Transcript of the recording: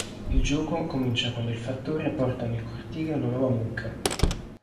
Il gioco comincia quando il fattore porta nel cortile una nuova mucca.